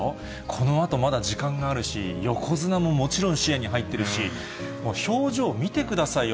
このあとまだ時間があるし、横綱ももちろん視野に入ってるし、表情見てくださいよ。